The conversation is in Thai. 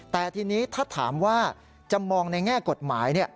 แต่ทีนี้ถ้าถามว่าจะมองในแง่กฎหมาย